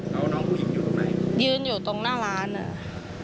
แล้วน้องน้องผู้หญิงอยู่ตรงไหนยืนอยู่ตรงหน้าร้านอ่ะ